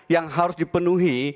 yang harus dipenuhi